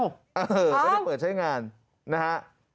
ไม่ได้เปิดใช้งานนะฮะ